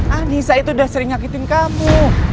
anissa itu udah sering nyakitin kamu